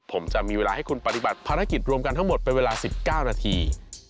ผมจะมีเวลาให้คุณปฏิบัติภารกิจรวมกันทั้งหมดเป็นเวลา๑๙นาที